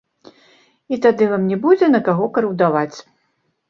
І тады вам не будзе на каго крыўдаваць.